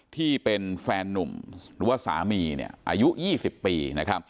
ที่เป็นแฟนนุ่มหรือว่าสามีอายุ๒๐ปี